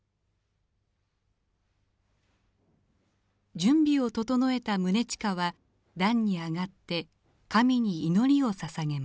準備を整えた宗近は壇に上がって神に祈りをささげます。